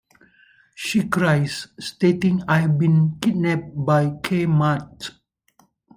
She cries, stating I've been kidnapped by K-Mart!